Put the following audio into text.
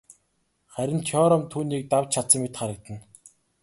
Харин Теорем түүнийг давж чадсан мэт харагдана.